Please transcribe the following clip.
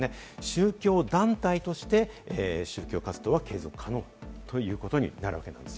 宗教団体として、宗教活動は継続可能ということになるわけです。